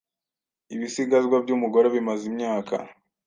Ibisigazwa by’umugore bimaze imyaka